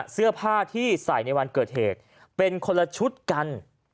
เสื้อผ้าที่ใส่ในวันเกิดเหตุเป็นคนละชุดกัน